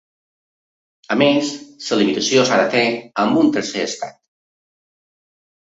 A més, la limitació s'ha de fer amb un tercer estat.